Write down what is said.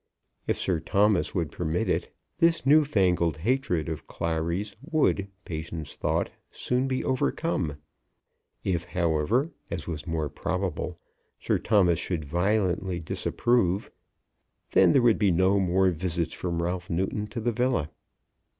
If Sir Thomas would permit it, this new fangled hatred of Clary's would, Patience thought, soon be overcome. If, however, as was more probable, Sir Thomas should violently disapprove, then there would be no more visits from Ralph Newton to the villa.